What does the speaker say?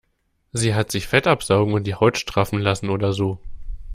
Sie hat sich Fett absaugen und die Haut straffen lassen oder so.